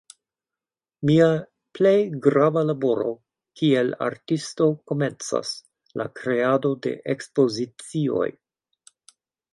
Mia plej grava laboro kiel artisto komencas: la kreado de ekspozicioj.